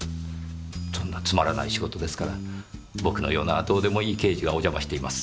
そんなつまらない仕事ですから僕のようなどうでもいい刑事がお邪魔しています。